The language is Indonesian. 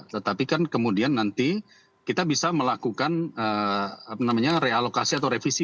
tetapi kan kemudian nanti kita bisa melakukan realokasi atau revisi